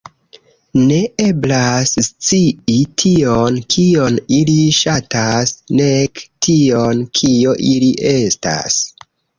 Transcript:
Ne eblas scii tion, kion ili ŝatas, nek tion, kio ili estas.